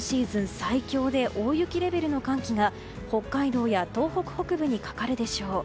最強の大雪レベルの寒気が北海道や東北北部にかかるでしょう。